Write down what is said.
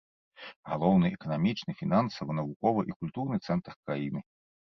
Галоўны эканамічны, фінансавы, навуковы і культурны цэнтр краіны.